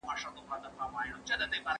هغې ته ئې د صحابه وو غبرګون بيان کړ.